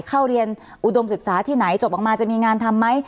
เข้าเรียนอุดมศึกษาที่ไหนจบออกมาจะมีงานทำไหม